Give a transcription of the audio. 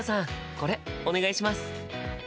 これお願いします！